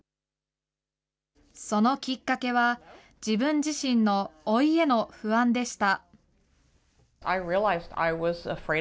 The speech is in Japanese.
そのきっかけは、自分自身の老いへの不安でした。